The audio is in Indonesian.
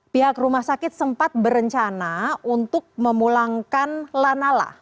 pihak rumah sakit sempat berencana untuk memulangkan lanala